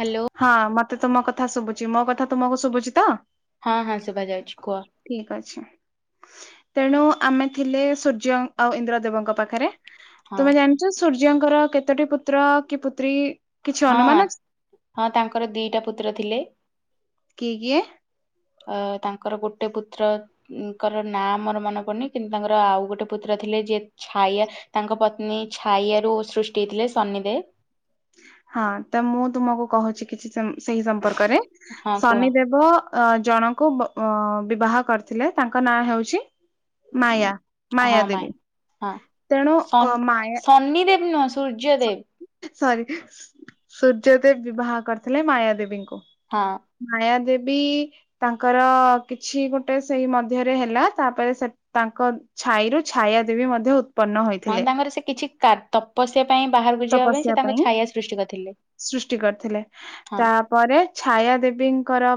Hello. ହଁ ମତେ ତୁମ କଥା ଶୁଭୁଛିି ମୋ କଥା ତୁମକୁ ଶୁଭୁଛି ତ? ହଁ ହଁ ଶୁଭା ଯାଉଛି କୁହ? ଠିକ ଅଛି ତେଣୁ ଆମେ ଥିଲେ ସୂର୍ଯ୍ୟ ଆଉ ଇନ୍ଦ୍ର ଦେବଙ୍କ ପାଖରେ ହଁ ତମେ ଜାଣିଛ ସୂର୍ଯ୍ୟଙ୍କର କେତୋଟି ପୁତ୍ର କି ପୁତ୍ରୀ? କିଛି ହଁ ଅନୁମାନ ଅଛି? ହଁ ତାଙ୍କର ଦିଟା ପୁତ୍ର ଥିଲେ। କିଏ କିଏ? ଅ ତାଙ୍କର ଗୋଟେ ପୁତ୍ର ଙ୍କର ନାଁ ମୋର ମନେ ପଡୁନି କିନ୍ତୁ ତାଙ୍କର ଆଉ ଗୋଟେ ପୁତ୍ର ଥିଲେ ଯିଏ ଛାୟା ତାଙ୍କ ପତ୍ନୀ ଛାୟାରୁ ସୃଷ୍ଟି ହେଇଥିଲେ ଶନିଦେବ। ହଁ ତ ମୁଁ ତୁମକୁ କହୁଛି କିଛି ସେଇ ସମ୍ପର୍କରେ ହଁ କୁହ। ଶନିଦେବ ଅ ଜଣଙ୍କୁ ବିବାହ କରିଥିଲେ ତାଙ୍କ ନାଁ ହେଉଛି? ଉଁ, ମାୟା ହଁ ମାୟା ମାଇଁ ଦେବୀ। ହଁ ତେଣୁ ସନ ମାୟା ସନିଦେବ ନୁହଁ ସୂର୍ଯ୍ୟଦେବ? ସରି, ସୂର୍ଯ୍ୟଦେବ ବିବାହ କରିଥିଲେ ମାୟା ଦେବୀଙ୍କୁ। ହଁ ମାୟା ଦେବୀ ତାଙ୍କର କିଛି ଗୋଟେ ସେଇ ମଧ୍ୟରେ ହେଲା। ତାପରେ ସେ ତାଙ୍କ ଛାଇରୁୁ ଛାୟା ଦେବୀ ମଧ୍ୟ ଉତ୍ପନ୍ନ ହଁ, ହୋଇଥିଲେ ତାଙ୍କର ସେ କିଛି ପଶିବା ପାଇଁ ବାହାରକୁ ଯିବା ପାଇଁ ସେ ତାଙ୍କ ଛାୟା ସୃଷ୍ଟି କରିଥିଲେ। ହଁ ପରେ ଛାୟା ଦେବୀଙ୍କର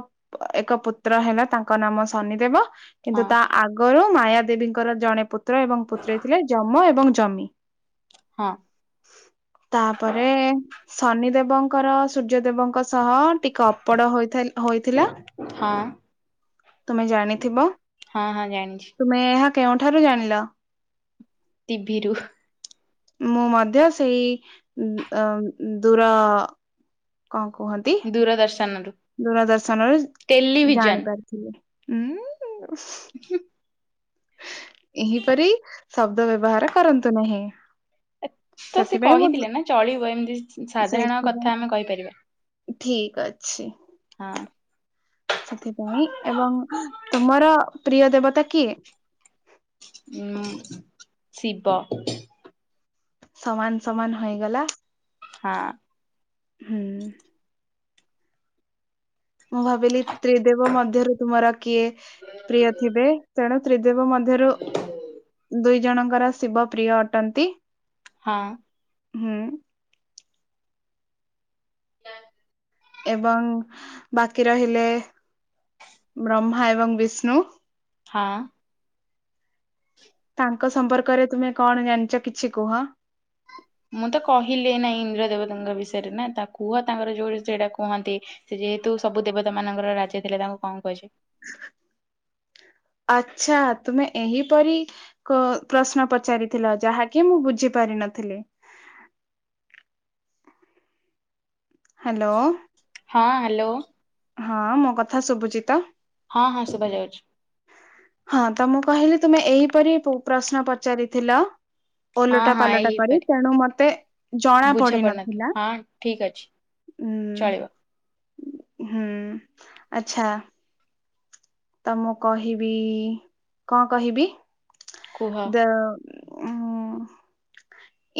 ଏକ ପୁତ୍ର ହେଲା। ତାଙ୍କ ନାମ ଶନି ଦେବ। ହଁ କିନ୍ତୁ ତା ଆଗରୁ ମାୟା ଦେବୀଙ୍କର ଜଣେ ପୁତ୍ର ଏବଂ ପୁତ୍ରୀ ଥିଲେ। ଯମ ଏବଂ ଜମି ହଁ ତାପରେ ଶନି ଦେବଙ୍କର ସୂର୍ଯ୍ୟଦେବଙ୍କ ସହ ଟିକେ ଅପଡ଼ ହୋଇଥା ହୋଇଥିଲା। ହଁ ତୁମେ ଜାଣିଥିବ ହଁ, ହଁ, ଜାଣିଛି। ତୁମେ ଏହା କେଉଁଠାରୁ ଜାଣିଲ? ଟିଭିିରୁ ମୁଁ ମଧ୍ୟ ସେଇ ଦୂର କଣ କୁହନ୍ତି? ଦୂରଦର୍ଶନରୁ ଦୂରଦର୍ଶନରୁ ଜାଣ ଟେଲିଭିଜନ। କରି ଉୁଁ [unintelligible] ଏହିପରି ଶବ୍ଦ ବ୍ୟବହାର କରନ୍ତୁ ନାହିଁ। ଏତ ସେ ସେଥିପାଇଁ ମୁଁ କହିଥିଲେ ନା ଚଳିବ। ଏମିତି ସାଧାରଣ ସେଇଥିପାଇଁ କଥା ଆମେ କହିପାରିବା। ଠିକ ଅଛି। ହଁ ସେଥିପାଇଁ ଏବଂ ତୁମର ପ୍ରିୟ ଦେବତା କିଏ? ହଁ, ଶିବ। ସମାନ ସମାନ ହୋଇଗଲା। ହଁ ହୁଁ ମୁଁ ଭାବିଲି ତ୍ରିଦେବ ମଧ୍ୟରୁ ତୁମର କିଏ ପ୍ରିୟ ଥିବେ। ତେଣୁ ତ୍ରିଦେବ ମଧ୍ୟରୁ ଦୁଇ ଜଣଙ୍କର ଶିବ ପ୍ରିୟ ଅଟନ୍ତି। ହଁ ହୁଁ [unintelligible] ଏବଂ ବାକି ରହିଲେ ବ୍ରହ୍ମା ଏବଂ ବିଷ୍ଣୁ। ହଁ ତାଙ୍କ ସମ୍ପର୍କରେ ତୁମେ କଣ ଜାଣିଛ କିଛି କୁହ? ମୁଁ ତ କହିଲି ନାଇଁ ଇନ୍ଦ୍ର ଦେବତାଙ୍କ ବିଷୟରେ ନା। ତା କୁହ ତାଙ୍କର ଯୋଉଠି ସେଇଟା କୁହନ୍ତି। ସେ ଯେହେତୁ ସବୁ ଦେବତା ମାନଙ୍କର ରାଜା ଥିଲେ ତାଙ୍କୁ କଣ କୁହାଯାଏ? ଆଚ୍ଛା, ତୁମେ ଏହିପରି କ ପ୍ରଶ୍ନ ପଚାରିଥିଲ, ଯାହାକି ମୁଁ ବୁଝି ପାରିିନଥିଲି। ହ୍ୟାଲୋ। ହଁ, ହ୍ୟାଲୋ। ହଁ, ମୋ କଥା ଶୁଭୁଚି ତ? ହଁ, ହଁ, ଶୁଭା ଯାଉଛି। ହଁ ତ ମୁଁ କହିଲି ତୁମେ ଏହି ପରି ପ୍ରଶ୍ନ ପଚାରିଥିଲ? ହଁ ଓଲଟା ହଁ ପାଲଟା କରି ଏହିପରି ତେଣୁ ମତେ ଜଣା ବୁଝା ପଡି ପଡୁନଥିଲା ନଥିଲା। ହଁ ଠିକ ଅଛି ଚଳିବ ହୁଁ ହୁଁ ଆଚ୍ଛା ତ ମୁଁ କହିବି ଇ କଣ କହିବି କୁହ। ଦ ଓ ଉଁ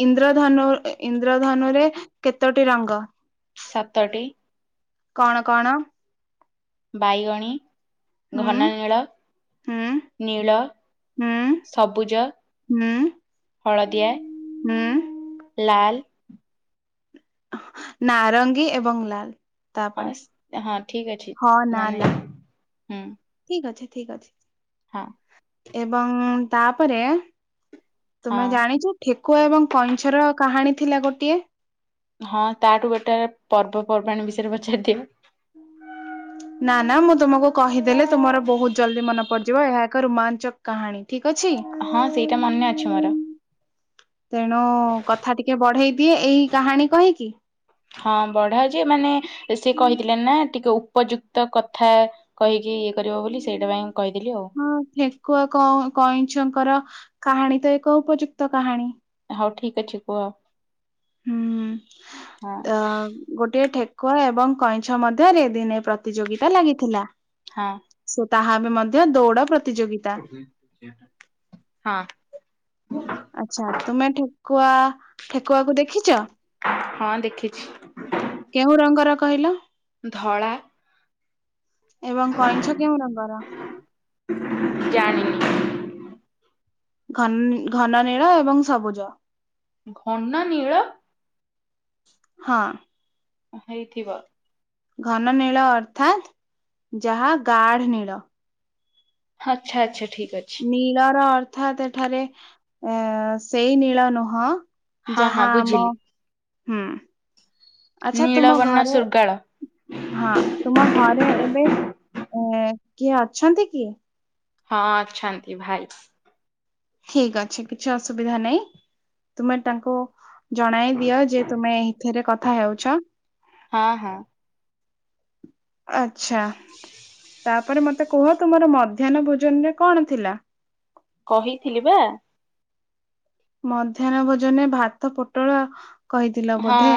ଇନ୍ଦ୍ରଧନୁ ଇନ୍ଦ୍ରଧନୁ ରେ କେତୋଟି ରଙ୍ଗ? ସାତଟି। କଣ କଣ? ବାଇଗଣୀ, ହୁଁ ଘନନୀଳ ହୁଁ ନୀଳ, ହୁଁ ସବୁଜ, ହଳଦିଆ ଉଁ ଲାଲ ନାରଙ୍ଗୀ ଏବଂ ଲାଲ। ତାପରେ ହଁ ହଁ ଠିକ ଅଛି ହଁ ନା ମାନେ ଲା ହୁଁ ଠିକ ଅଛି ଠିକ ଅଛି। ହଁ। ଏବଂ ତାପରେ ତୁମେ ହଁ ଜାଣି ଠେକୁଆ ଏବଂ କଇଁଛର କାହାଣୀ ଥିଲା ଗୋଟିଏ? ହଁ ତାଠୁ ବେଟର ପର୍ବପର୍ବାଣି ବିଷୟରେ ପଚାରିଦିଅ। ନା ନା ମୁଁ ତୁମକୁ କହିଦେଲେ ତୁମର ବହୁତ ଜଲଦି ମନେ ପଡିଯିବ ଏହା ଏକ ରୋମାଞ୍ଚକ କାହାଣୀ ଠିକ ଅଛି। ହଁ ସେଇଟା ମନେ ଅଛି ମୋର। ତେଣୁ କଥା ଟିକେ ବଢେଇ ଦିଏ ଏଇ କାହାଣୀ କହିକି ହଁ ବଢା ଯେ ମାନେ ସେ କହିଥିଲେ ନା ଟିକେ ଉପଯୁକ୍ତ କଥା କହିକି ଇଏ କରିବ ବୋଲି ସେଇଟା ପାଇଁ କହିଦେଲି ଆଉ। କୁଅ କଁ କଇଁଛଙ୍କର କାହାଣୀ ତ ଏକ ଉପଯୁକ୍ତ କାହାଣୀ। ହଉ ଠିକ ଅଛି କୁହ। ହୁଁ ହଁ ଉଁ ଅ ଗୋଟିଏ ଠେକୁଆ ଏବଂ କଇଁଛ ମଧ୍ୟରେ ଦିନେ ପ୍ରତିଯୋଗିତା ଲାଗିଥିଲା। ହଁ। ସେ ତାହା ଏବେ ମଧ୍ୟ ଦୌଡ ପ୍ରତିଯୋଗିତା [unintelligible] ହଁ। ଆଚ୍ଛା ତୁମେ ଠେକୁଆ ଠେକୁଆକୁ ଦେଖିଚ? ହଁ ଦେଖିଛି। କେଉଁ ରଙ୍ଗର କହିଲ? ଧଳା। ଏବଂ କଇଁଛ କେଉଁ ରଙ୍ଗର? ଜାଣିନି। ଘନ ଘନନୀଳ ଏବଂ ସବୁଜ। ଘନନୀଳ ହଁ। ହେଇଥିବ। ଘନ ନୀଳ ଅର୍ଥାତ୍ ଯାହା ଗାଢ ନୀଳ। ଆଚ୍ଛ ଆଛା ଠିକ୍ ଅଛି। ନୀଳର ଅର୍ଥ ସେଠାରେ ଏ ସେଇ ନୀଳ ନୁହେଁ। ହଁ ଯାହା ହଁ ଆମ ବୁଝିଲି ହୁଁ ଆଛା ତୁମ ନୀଳବର୍ଣ୍ଣ ଘରେ ଶୃଗାଳ ହଁ ତୁମ ଘରେ ଏବେ ଏ କିଏ ଅଛନ୍ତି କି? ହଁ ଅଛନ୍ତି ଭାଇ। ଠିକ ଅଛି କିଛି ଅସୁବିଧା ନାଇଁ ତୁମେ ତାଙ୍କୁ। ଜଣାଇ ଦିଅ ଯେ ତୁମେ ଏହିଥିରେ କଥା ହେଉଛ। ହଁ ହଁ। ଆଛା ତାପରେ ମତେ କୁହ ତୁମର ମଧ୍ୟାହ୍ନ ଭୋଜନ ରେ କଣ ଥିଲା? କହିଥିଲି ବା! ମଧ୍ୟାହ୍ନ ଭୋଜନେ ଭାତ ପୋଟଳ କହିଥିଲ ହଁ ବୋଧେ।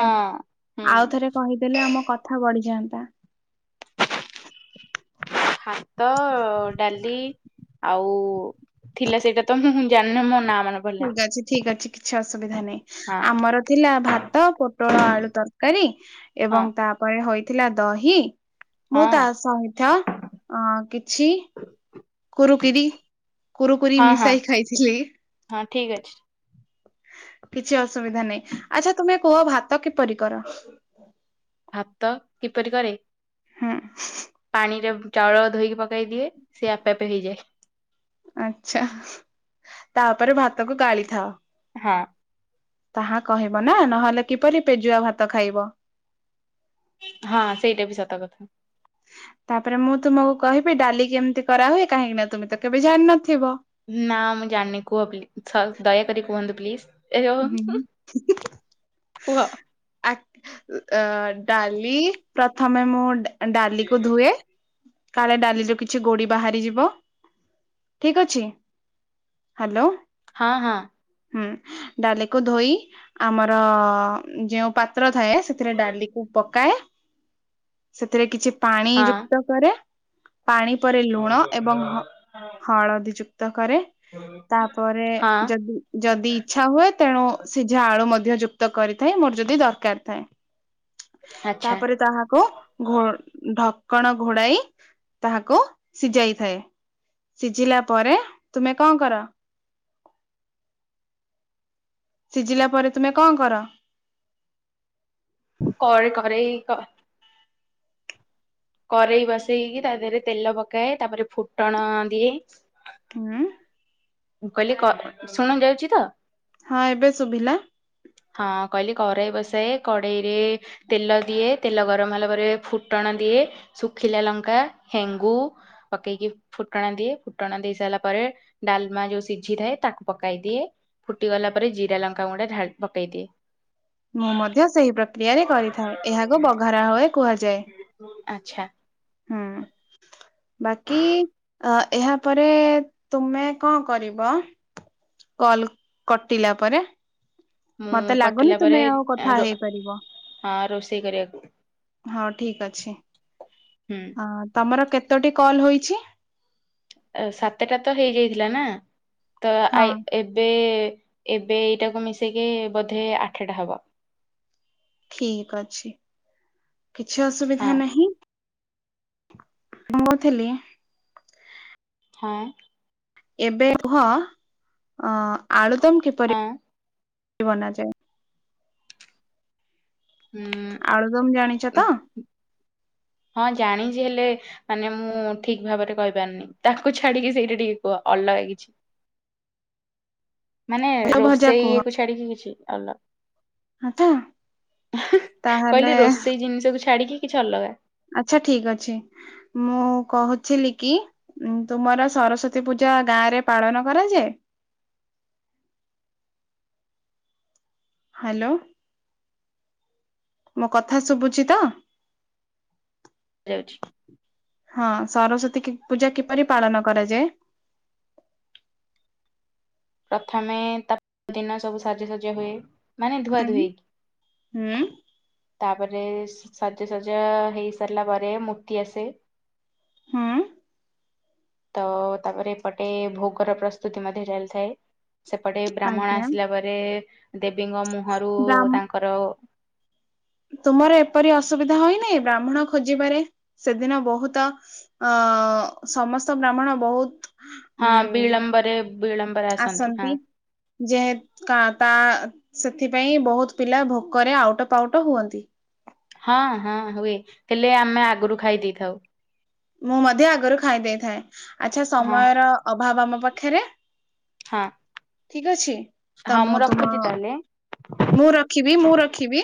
ହୁଁ ଆଉ ଥରେ କହିଦେଲେ ଆମ କଥା ବଢିଯାଆନ୍ତା। ଭାତ ଡାଲି। ଆଉ ଥିଲା ସେଇଟା ତ ମୁଁ ଜାଣିନି ମୋ ନା ମାନେ। ଠିକ୍ ଅଛି ଠିକ୍ ଅଛି କିଛି ଅସୁବିଧା ନାହିଁ। ହଁ ଆମର ଥିଲା ଭାତ ପୋଟଳ ଆଳୁ ତରକାରୀ ହଁ ଏବଂ ତାପ ଉପରେ ହୋଇଥିଲା ଦହି ମୁଁ ହଁ ତା ସହିତ। ଅ କିଛି କୁରୁକିରି କୁରୁକୁରି ହଁ ହଁ ମିଶାଇ ଖାଇଥିଲି। ହଁ ଠିକ୍ ଅଛି। କିଛି ଅସୁବିଧା ନାହିଁ ଆଚ୍ଛା ତୁମେ କୁହ ଭାତ କିପରି କର? ଭାତ କିପରି କରେ। ! ହୁଁ ପାଣିରେ ବି ଚାଉଳ ଧୋଇକି ପକେଇ ଦିଏ ସିଏ ଆପେ ଆପେ ହେଇଯାଏ। ଆଛା ତାପରେ ଭାତକୁ ଗାଳିଥାଅ। ହଁ। ତାହା କହିବ ନା ନହେଲେ କିପରି ପେଜୁଆ ଭାତ ଖାଇବ। ହଁ ସେଇଟା ବି ସତ କଥା। [inaudible] ତାପରେ ମୁଁ ତୁମକୁ କହିବି ଡାଲି କେମିତି କରାହୁଏ କାହିଁକି ନା ତୁମେ ତ କେବେ ଜାଣିନଥିବ। ନା ମୁଁ ଜାଣିନି କୁହ ପ୍ଲିଜ ସ ଦୟାକରି କୁହନ୍ତୁ ପ୍ଲିଜ। ଏ ଜଇ ହୁଁ କୁହ। ଆକ ଅ ଡାଲି ପ୍ରଥମେ ମୁଁ ଡା ଡାଲି କୁ ଧୁଏ। କାଳେ ଡାଲି ରୁ କିଛି ଗୋଡି ବାହାରିଯିବ। ଠିକ ଅଛି ହ୍ୟାଲୋ। ହଁ, ହଁ ହୁଁ ଡାଲିକୁୁ ଧୋଇ ଆମର ଯେଉଁ ପାତ୍ର ଥାଏ। ସେଥିରେ ଡାଲିକୁ ପକାଏ। ସେଥିରେ କିଛି ପାଣି ହଁ ଯୁକ୍ତ କରେ। ପାଣି ପରେ ଲୁଣ ଏବଂ ହ ହଳଦୀ ଯୁକ୍ତ କରେ। ତାପରେ ହଁ ଯଦି ଯଦି ଇଛା ହୁଏ। ତେଣୁ ସିଝା ଆଳୁ ମଧ୍ୟ ଯୁକ୍ତ କରିଥାଏ। ମୋର ଯଦି ଦରକାର ଥାଏ। ଆଚ୍ଛା ତାପରେ ତାହାକୁ! ଘୋ ଢକଣ ଘୋଡ଼ାଇ ତାହାକୁ ସିଝାଇଥାଏ। ସିଝିଲା ପରେ ତୁମେ କଣ କର? ସିଝିଲା ପରେ ତୁମେ କଣ କର? କର କରେଇ କ କରେଇ ବସେଇକି ତା ଦେହରେ ତେଲ ପକାଏ, ତାପରେ ଫୁଟଣ ଦିଏ। ହୁଁ! ମୁଁ କହିଲି କ ଶୁଣା ଯାଉଛି ତ? ହଁ ଏବେ ଶୁଭିଲା। ହଁ କହିଲି କଡ଼େଇ ବସାଏ କଡ଼େଇ ରେ ତେଲ ଦିଏ ତେଲ ଗରମ ହେଲା ପରେ ଫୁଟଣ ଦିଏ ଶୁଖିଲା ଲଙ୍କା ହେଙ୍ଗୁ ପକେଇକି ଫୁଟଣ ଦିଏ ଫୁଟଣ ଦେଇ ସାରିଲା ପରେ ଡାଲ ମା ଯୋଉ ସିଝିଥାଏ ତାକୁ ପକେଇ ଦିଏ ଫୁଟିଗଲା ପରେ ଜିରା ଲଙ୍କା ଗୁଣ୍ଡ ଢା ପକେଇ ଦିଏ। ମୁଁ ମଧ୍ୟ ସେଇ ପ୍ରକ୍ରିୟାରେ କରିଥାଏ ଏହାକୁ ବଘରା ହୁଏ କୁହାଯାଏ। ଆଚ୍ଛା! ହୁଁ ବାକି ଅ ଏହା ପରେ ତୁମେ କଣ କରିବ କଲ କଟିଲା ପରେ ମୁଁ ମତେ କଟିଲା ଲାଗୁନି ପରେ ତୁମେ ଆଉ କଥା ରୋ ହେଇପାରିବ। ହଁ ରୋଷେଇ କରିବାକୁ ହଁ ଠିକ ଅଛି ହୁଁ ହଁ ତମର କେତୋଟି କଲ୍ ହୋଇଛି ସାତଟା ତ ହେଇଯାଇଥିଲା ନା ତ ଆ ହଁ ଏବେ! ଏବେ ଏଇଟାକୁ ମିଶେଇକି ବୋଧେ ଆଠଟା ହବ। ଠିକ ଅଛି କିଛି ହଁ ଅସୁବିଧା ନାହିଁ ମୁଁ କହୁଥିଲି ହଁ ଏବେ ହଁ ଆଳୁଦମ କିପରି ହଁ ବନାଯାଏ ହୁଁ ଆଳୁଦମ ଜାଣିଛ ତ? ହଁ ଜାଣିଛି ହେଲେ, ମାନେ ମୁଁ ଠିକ ଭାବରେ କହିପାରୁନି ତାକୁ ଛାଡିକି ସେଇଟା ଟିକେ କୁହ ଅଲଗା କିଛି ମାନେ ଭଜା ରୋଷେଇ କୁହ ଇଏକୁ ଛାଡିକି କିଛି ଅଲ ଆଛା କହିଲି ତାହେଲେ ରୋଷେଇ ଜିନିଷକୁୁ ଛାଡିକି କିଛି ଅଲଗା ଆଛା ଠିକ ଅଛି ମୁଁ କହୁଥିଲି କି? ଉଁ ତୁମର ସରସ୍ଵତୀ ପୂଜା ଗାଁ ରେ ପାଳନ କରାଯାଏ। ହ୍ୟାଲୋ! ମୋ କଥା ଶୁଭୁଚି ତ? ରହୁଛି ହଁ ସରସ୍ଵତୀ କି ପୂଜା କିପରି ପାଳନ କରାଯାଏ ପ୍ରଥମେ ତା ଦିନ ସବୁ ସାଜ ସଜା ହୁଏ ମାନେ ଧୁଆ ହୁଁ ଧୋଇ ହୁଁ ତାପରେ ସାଜ ସଜା ହେଇ ସାରିଲା ପରେ ମୂର୍ତ୍ତି ଆସେ ହଁ ତ ତାପରେ ଏପଟେ ଭୋଗର ପ୍ରସ୍ତୁତି ମଧ୍ୟ ଚାଲିଥାଏ। ସେପଟେ ବ୍ରାହ୍ମଣ ଆଜ୍ଞା ଆସିଲା ପରେ ଦେବୀଙ୍କ ମୁହଁରୁ ବ୍ରାହ୍ମ ତାଙ୍କର ତୁମର ଏପରି ଅସୁବିଧା ହୋଇନି ବ୍ରାହ୍ମଣ ଖୋଜିବାରେ ସେଦିନ ବହୁତ ଅ ସମସ୍ତ ବ୍ରାହ୍ମଣ ବହୁତ ହଁ ଉଁ ବିଳମ୍ବରେ ବିଳମ୍ ଆସନ୍ତି ଯେ କା ତା ସେଥିପାଇଁ ବହୁତ ପିଲା ଭୋକରେ ଆଉଟ ପାଉଟ ହୁଅନ୍ତି ହଁ ହଁ ହୁଏ ହେଲେ ଆମେ ଆଗରୁ ଖାଇ ଦେଇଥାଉ ମୁଁ ମଧ୍ୟ ଆଗରୁ ଖାଇ ଦେଇଥାଏ ଆଚ୍ଛା ହଁ ସମୟର ଅଭାବ ଆମ ପାଖରେ ହଁ ଠିକ ଅଛି ତ ହଁ ମୁଁ ତୁମ ରଖୁଛି ତାହେଲେ। ମୁଁ ରଖିବି ମୁଁ ରଖିବି